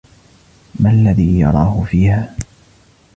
ما الذي يراهُ فيها؟